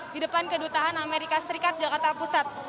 di depan kedutaan amerika serikat jakarta pusat